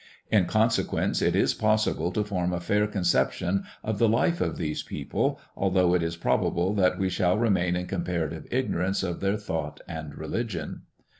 In consequence it is possible to form a fair conception of the life of these people, although it is probable that we shall remain in comparative ignorance of their thought and religion.